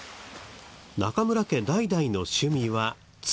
中村家代々の趣味は釣り。